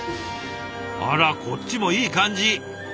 あらこっちもいい感じ！